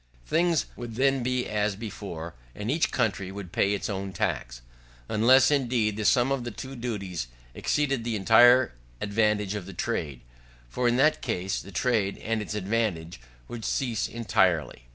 Things would then be as before, and each country would pay its own tax. Unless, indeed, the sum of the two duties exceeded the entire advantage of the trade; for in that case the trade, and its advantage, would cease entirely.